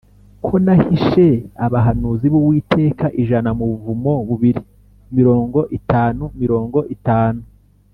ko nahishe abahanuzi b’Uwiteka ijana mu buvumo bubiri mirongo itanu mirongo itanu